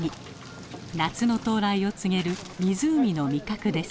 夏の到来を告げる湖の味覚です。